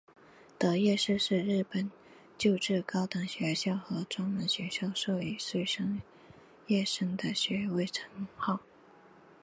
得业士是日本旧制高等学校和专门学校授与卒业生的学位称号。